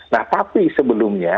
nah tapi sebelumnya